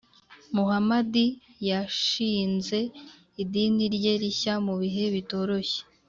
muhamadi yashinze idini rye rishya mu bihe bitoroshye.